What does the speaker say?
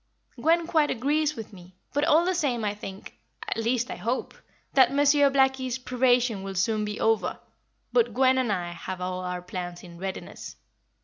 "Gwen quite agrees with me, but all the same I think at least, I hope that Monsieur Blackie's probation will soon be over, but Gwen and I have all our plans in readiness.